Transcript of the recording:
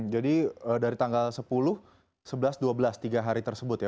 jadi dari tanggal sepuluh sebelas dua belas tiga hari tersebut ya